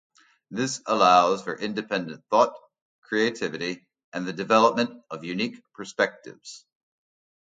This allows for independent thought, creativity, and the development of unique perspectives.